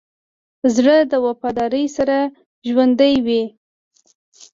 زړه د وفادارۍ سره ژوندی وي.